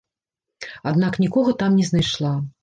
Аднак нікога там не знайшла.